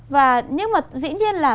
và nhưng mà dĩ nhiên là